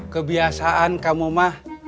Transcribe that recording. kebiasaan kamu mah